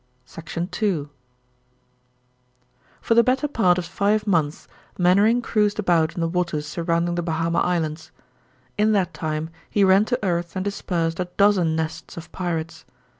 II For the better part of five months Mainwaring cruised about in the waters surrounding the Bahama Islands. In that time he ran to earth and dispersed a dozen nests of pirates.